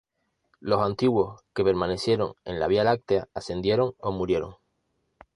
Los antiguos que permanecieron en la Vía Láctea ascendieron o murieron.